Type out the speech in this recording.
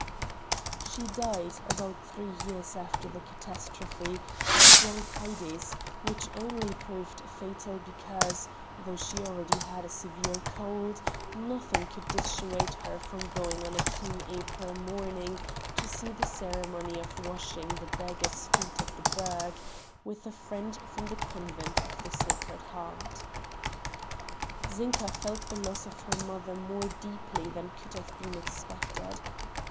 She died, about three years after the catastrophe, of bronchitis, which only proved fatal because, though she already had a severe cold, nothing could dissuade her from going on a keen April morning to see the ceremony of washing the beggars feet at the Burg, with a friend from the convent of the Sacred Heart. Zinka felt the loss of her mother more deeply than could have been expected.